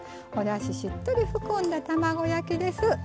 おだししっとり含んだ卵焼きです。